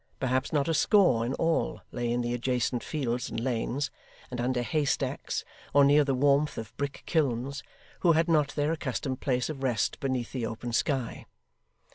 Perhaps not a score in all lay in the adjacent fields and lanes, and under haystacks, or near the warmth of brick kilns, who had not their accustomed place of rest beneath the open sky.